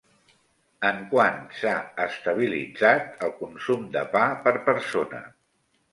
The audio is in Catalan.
En quant s'ha estabilitzat el consum de pa per persona?